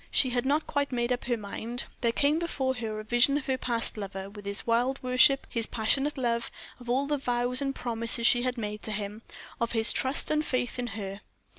She had not quite made up her mind. There came before her a vision of her past lover, with his wild worship, his passionate love; of all the vows and promises she had made to him; of his trust and faith in her.